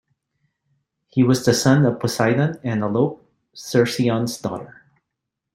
He was the son of Poseidon and Alope, Cercyon's daughter.